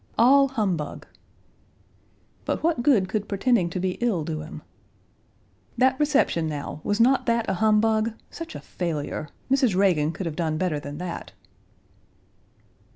"All humbug." "But what good could pretending to be ill do him?" "That reception now, was not that a humbug? Such a failure. Mrs. Reagan could have done better than that.